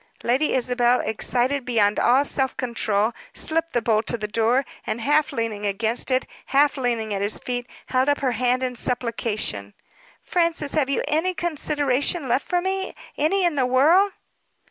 Lady Isabel, excited beyond all self control, slipped the bolt of the door; and, half leaning against it, half leaning at his feet, held up her hand in supplication. "Francis, have you any consideration left for me any in the world?"